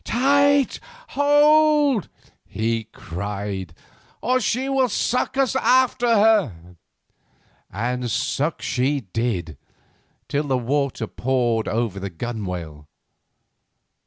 "Tight! hold tight!" he cried, "or she will suck us after her." Suck she did, till the water poured over the gunwale.